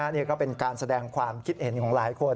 นี่ก็เป็นการแสดงความคิดเห็นของหลายคน